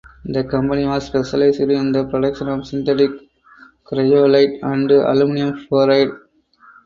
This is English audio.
The company was specialized in the production of synthetic cryolite and aluminum fluoride.